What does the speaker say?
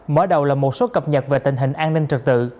mở đầu là một số cập nhật về tình hình an ninh trật tự